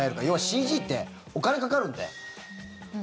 要は、ＣＧってお金かかるんで。